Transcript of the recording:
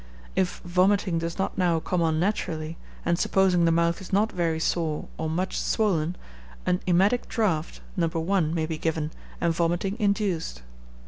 If vomiting does not now come on naturally, and supposing the mouth is not very sore or much swollen, an emetic draught, No. 1, may be given, and vomiting induced.